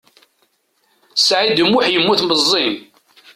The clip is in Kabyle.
Saɛid U Muḥ yemmut meẓẓi.